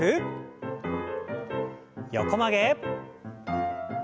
横曲げ。